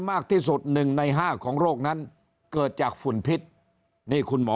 มากที่สุดหนึ่งในห้าของโรคนั้นเกิดจากฝุ่นพิษนี่คุณหมอ